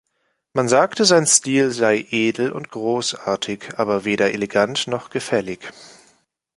Man sagte, sein Stil sei edel und großartig, aber weder elegant noch gefällig.